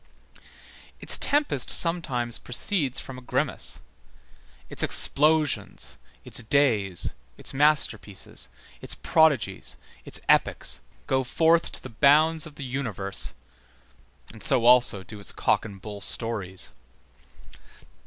Its tempest sometimes proceeds from a grimace. Its explosions, its days, its masterpieces, its prodigies, its epics, go forth to the bounds of the universe, and so also do its cock and bull stories.